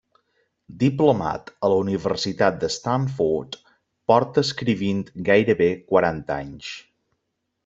Diplomat a la Universitat de Stanford, porta escrivint gairebé quaranta anys.